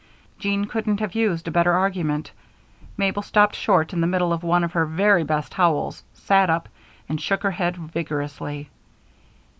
Jean couldn't have used a better argument. Mabel stopped short in the middle of one of her very best howls, sat up, and shook her head vigorously.